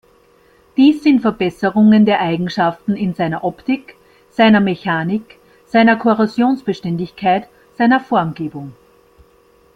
Dies sind Verbesserungen der Eigenschaften in seiner Optik, seiner Mechanik, seiner Korrosionsbeständigkeit, seiner Formgebung.